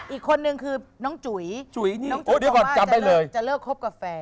อีกคนนึงคือน้องจุ๋ยน้องจุ๋ยคงว่าจะเลิกครบกาแฟ